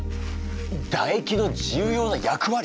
だ液の重要な役割？